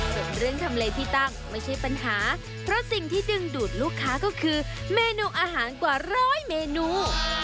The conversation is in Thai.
ส่วนเรื่องทำเลที่ตั้งไม่ใช่ปัญหาเพราะสิ่งที่ดึงดูดลูกค้าก็คือเมนูอาหารกว่าร้อยเมนู